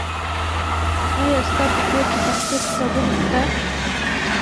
آیا ستا په کور کې پښتو کتابونه سته؟